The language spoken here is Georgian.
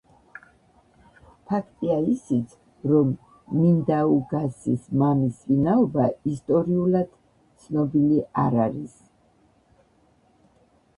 ფაქტია ისიც, რომ მინდაუგასის მამის ვინაობა ისტორიულად ცნობილი არ არის.